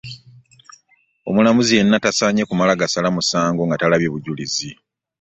Omulamuzi yenna tasaanye kumala gasala musango nga talabye bujulizi.